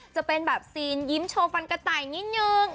จะเป็นแบบซีนยิ้มโชว์ฟันกระต่ายนิดนึง